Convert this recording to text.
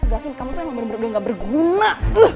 gavin kamu tuh yang bener bener gak berguna